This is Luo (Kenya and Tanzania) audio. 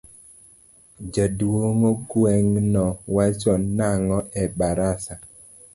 Jaduong gweng no wacho nango e barasa.